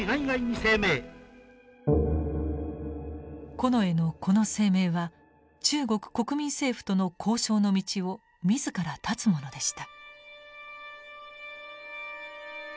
近衛のこの声明は中国国民政府との交渉の道を自ら断つものでした。